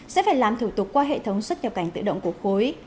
sẽ phải làm thủ tục qua hệ thống xuất nhập cảnh tự động của khối